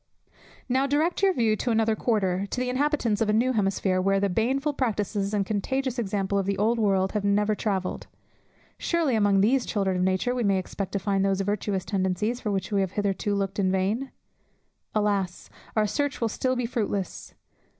Now direct your view to another quarter, to the inhabitants of a new hemisphere, where the baneful practices and contagious example of the old world had never travelled. Surely, among these children of nature we may expect to find those virtuous tendencies, for which we have hitherto looked in vain. Alas! our search will still be fruitless!